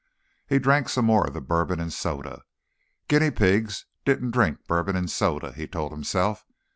He drank some more of the bourbon and soda. Guinea pigs didn't drink bourbon and soda, he told himself.